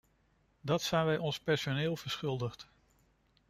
Dat zijn wij ons personeel verschuldigd.